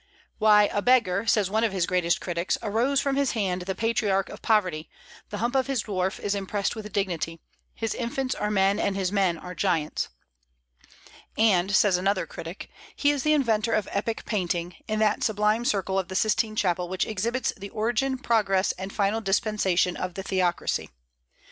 Why, "a beggar," says one of his greatest critics, "arose from his hand the patriarch of poverty; the hump of his dwarf is impressed with dignity; his infants are men, and his men are giants." And, says another critic, "he is the inventor of epic painting, in that sublime circle of the Sistine Chapel which exhibits the origin, progress, and final dispensation of the theocracy.